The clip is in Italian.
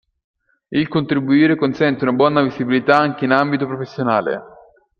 Il contribuire consente una buona visibilità anche in ambito professionale.